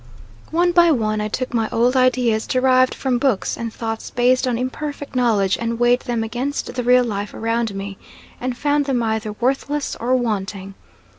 One by one I took my old ideas derived from books and thoughts based on imperfect knowledge and weighed them against the real life around me, and found them either worthless or wanting.